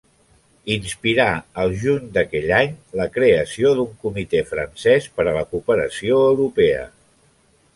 Inspirà al juny d'aquell any la creació d'un comitè francès per la cooperació europea.